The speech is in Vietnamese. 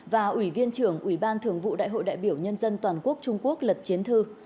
và ủy viên trưởng ủy ban thường vụ đại hội đại biểu nhân dân toàn quốc trung quốc lật chiến thư